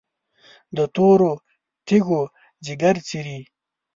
د تورو تیږو ځیګر څیري،